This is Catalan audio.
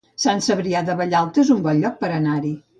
Sant Cebrià de Vallalta es un bon lloc per anar-hi